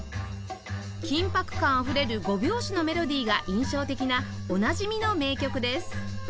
緊迫感あふれる５拍子のメロディーが印象的なおなじみの名曲です